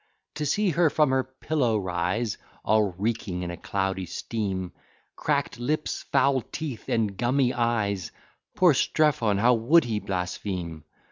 To see her from her pillow rise, All reeking in a cloudy steam, Crack'd lips, foul teeth, and gummy eyes, Poor Strephon! how would he blaspheme!